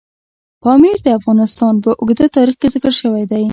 پامیر د افغانستان په اوږده تاریخ کې ذکر شوی دی.